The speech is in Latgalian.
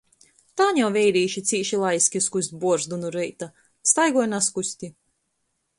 Tān jau veirīši cīši laiski skust buorzdu nu reita – staigoj naskusti.